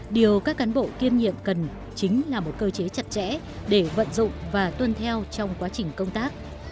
điều các cán bộ kiêm nhiệm cần chính là một cơ chế chặt chẽ để vận dụng và tuân theo trong quá trình công tác